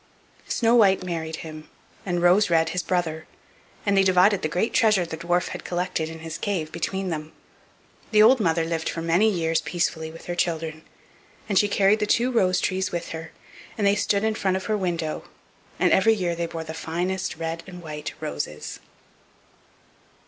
Snow white married him, and Rose red his brother, and they divided the great treasure the dwarf had collected in his cave between them. The old mother lived for many years peacefully with her children; and she carried the two rose trees with her, and they stood in front of her window, and every year they bore the finest red and white roses.